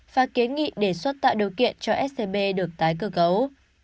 và kiến nghị đề xuất tạo điều kiện cho scb được tái cơ cấu